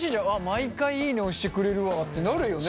毎回いいね押してくれるわってなるよね？